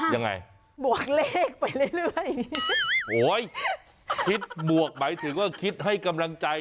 ยังไงบวกเลขไปเรื่อยเรื่อยโหยคิดบวกหมายถึงว่าคิดให้กำลังใจ